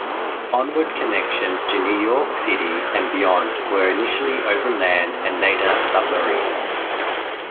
Onward connections to New York City and beyond were initially overland and later submarine.